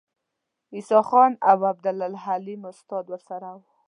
عیسی خان او عبدالحلیم استاد ورسره وو.